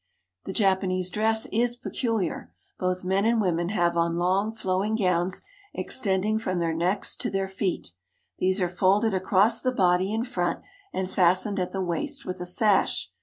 The Japanese dress is peculiar. Both men and women have on long, flowing gowns extending from their necks to their feet. These are folded across the body in front and fastened at the waist with a sash.